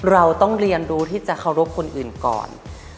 เราต้องเรียนรู้ที่จะเคารพคนอื่นก่อน